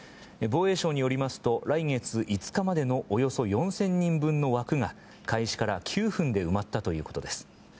防衛省によりますと来月５日までのおよそ４０００人分の枠が開始から９分で埋まったということです。